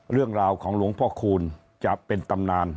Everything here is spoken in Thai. เรื่องราวของหลวงพ่อคูณจะเป็นตำนาน